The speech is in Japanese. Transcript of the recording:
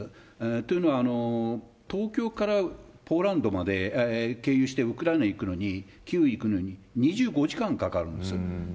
というのは、東京からポーランドまで経由してウクライナ行くのに、キーウ行くのに、２５時間かかるんです。